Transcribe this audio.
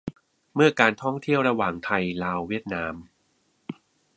เมื่อการท่องเที่ยวระหว่าง ไทยลาวเวียดนาม